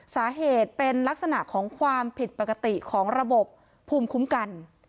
สาเหตุเป็นลักษณะของความผิดปกติของระบบภูมิคุ้มกัน